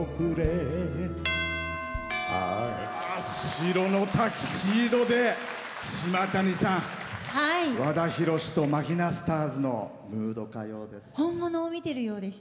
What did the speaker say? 白のタキシードで島谷さん和田弘とマヒナスターズのムード歌謡です。